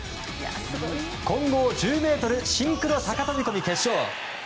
混合１０ｍシンクロ高飛込決勝。